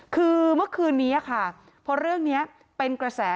คือเมื่อคืนนี้ค่ะพอเรื่องนี้เป็นกระแส